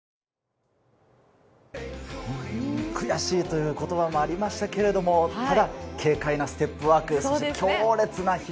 悔しいという言葉がありましたが、軽快なステップワーク、そして強烈な左。